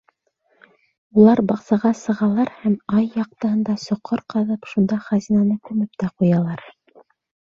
Улар баҡсаға сығалар һәм, ай яҡтыһында соҡор ҡаҙып, шунда хазинаны күмеп тә ҡуялар.